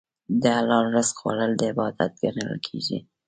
د حلال رزق خوړل عبادت ګڼل کېږي.